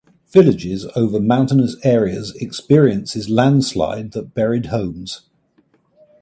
Villages over mountainous areas experiences landslides that buried homes.